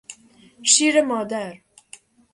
شیر مادر